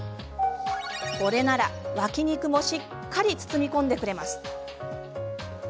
これなら脇肉もしっかり包み込んでくれます。